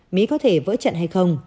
mỹ có thể vỡ trận hay không